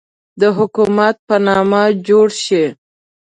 د حکومت په نامه جوړ شي.